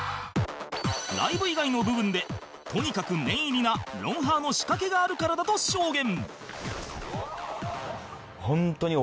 ライブ以外の部分でとにかく念入りな『ロンハー』の仕掛けがあるからだと証言